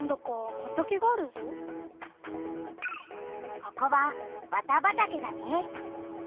ここは綿畑だね。